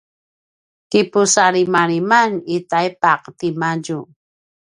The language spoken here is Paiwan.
kipusalimaliman i taipaq timadju